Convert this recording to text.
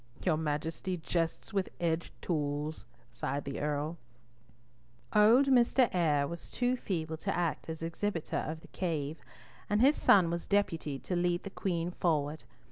"Your Majesty jests with edged tools," sighed the Earl. Old Mr. Eyre was too feeble to act as exhibitor of the cave, and his son was deputed to lead the Queen forward.